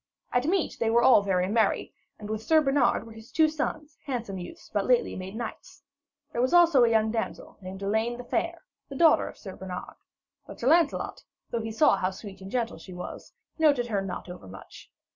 At meat they were all very merry, and with Sir Bernard were his two sons, handsome youths, but lately made knights. There was also a young damsel, named Elaine the Fair, the daughter of Sir Bernard; but Sir Lancelot, though he saw how sweet and gentle she was, noted her not overmuch.